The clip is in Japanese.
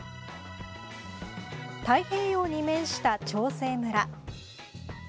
太平洋に面した長生村。